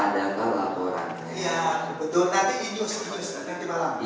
ya betul nanti ini harus ditulis